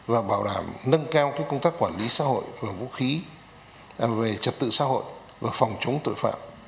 và bảo đảm nâng cao công tác quản lý xã hội và vũ khí về trật tự xã hội và phòng chống tội phạm